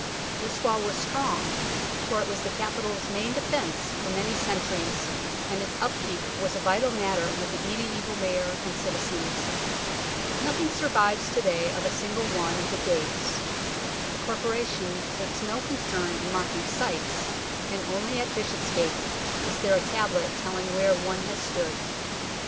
This wall was strong, for it was the capital's REMAINS OF THE CITY WALL 21 main defence for many centuries, and its upkeep was a vital matter with the mediaeval Mayor and citizens. Nothing survives to day of a single one of the gates. The Corporation takes no concern in marking sites, and only at Bishopsgate is there a tablet telling where one has stood.